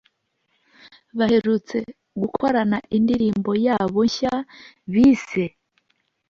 baherutse gukorana indirimbo yabo nshya bise